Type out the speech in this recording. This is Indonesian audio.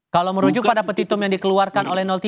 kalau merujuk pada petitum yang dikeluarkan oleh tiga